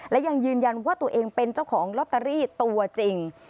และยังยืนยันว่าตัวเองเป็นเจ้าของลอตเตอรี่ตัวจริง